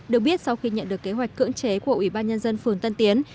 được biết sau khi nhận được kế hoạch cưỡng chế của ubnd phường tân tiến